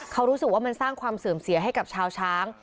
เขารู้สึกว่ามันสร้างความเสื่อมเสียให้กับชาวช้าง